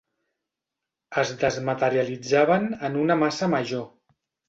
Es desmaterialitzaven en una massa major.